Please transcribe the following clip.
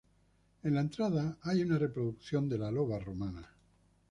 En la entrada hay una reproducción de la loba romana.